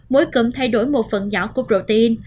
mỗi cụm thay đổi một phần nhỏ của protein